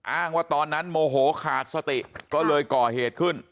อ้างว่าตอนนั้นโมโหขาดสติก็เลยก่อเหตุขึ้น